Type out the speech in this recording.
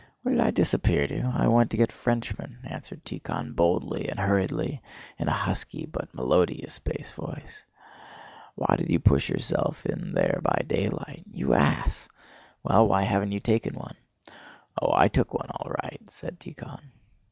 "Where did I disappear to? I went to get Frenchmen," answered Tíkhon boldly and hurriedly, in a husky but melodious bass voice. "Why did you push yourself in there by daylight? You ass! Well, why haven't you taken one?" "Oh, I took one all right," said Tíkhon.